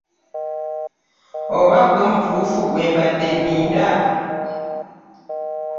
Oba ggwe mutuufu gwe mbadde nninda?